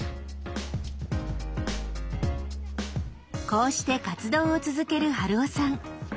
こうして活動を続ける春雄さん。